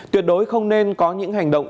tuyệt đối không nên có những hành động